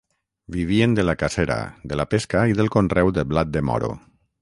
Vivien de la cacera, de la pesca i del conreu de blat de moro.